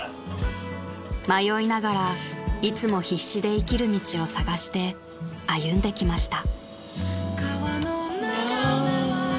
［迷いながらいつも必死で生きる道を探して歩んできました］